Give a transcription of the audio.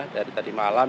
dari tadi malam